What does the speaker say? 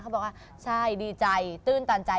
บอกว่าใช่ดีใจตื้นตันใจ